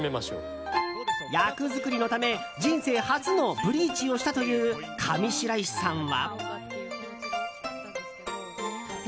役作りのため人生初のブリーチをしたという上白石さんは。